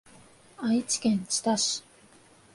愛知県知多市